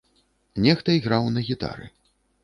Нехта іграў на гітары.